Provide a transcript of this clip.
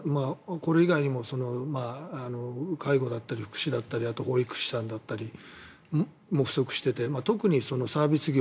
これ以外にも介護だったり福祉だったりあと保育士さんだったりも不足してて特にサービス業